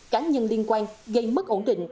cả nhân liên quan gây mất ổn định